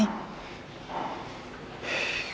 ayah kemana sih ini